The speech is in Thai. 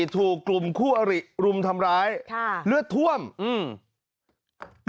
ถูกกลุ่มคู่อริรุมทำร้ายค่ะเลือดท่วมอืม